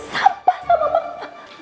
sampah sama mama